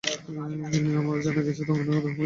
আর আমার জানা আছে যে, রণাঙ্গনে আমি কোথায় থাকব।